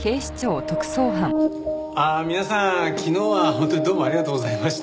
皆さん昨日は本当にどうもありがとうございました。